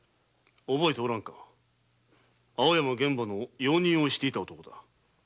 覚えておらぬか青山玄蕃の用人をしていた男だ。